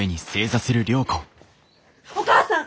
お義母さん！